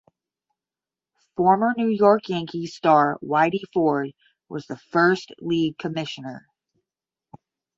Former New York Yankees star Whitey Ford was the first league commissioner.